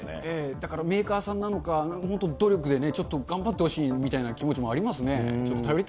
だから、メーカーさんなのか、本当努力でちょっと頑張ってほしいみたいな気持ちもありますね。